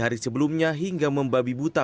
hari sebelumnya hingga membabi buta